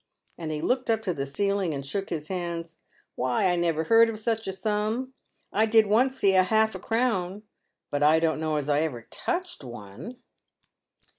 And he looked up to the ceiling, and shook his hands. " Why, I never heard of such a sum. I did once see half a crown ; but I don't know as I ever touched one."